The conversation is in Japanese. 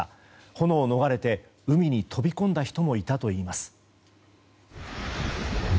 炎を逃れて海に飛び込んだ人もいたといいます。